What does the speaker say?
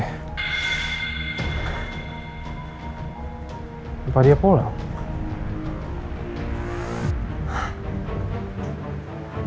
sempa dia pulau